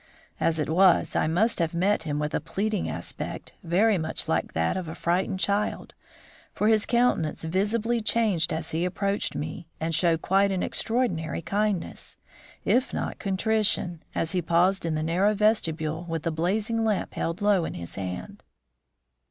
As it was, I must have met him with a pleading aspect, very much like that of a frightened child, for his countenance visibly changed as he approached me, and showed quite an extraordinary kindness, if not contrition, as he paused in the narrow vestibule with the blazing lamp held low in his hand.